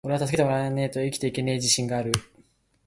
｢おれは助けてもらわねェと生きていけねェ自信がある!!!｣